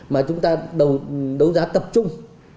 mà chúng ta đấu giá tập trung